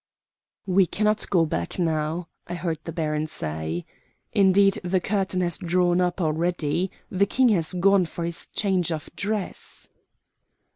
"We cannot go back now," I heard the baron say. "Indeed the curtain has drawn up already. The King has gone for his change of dress."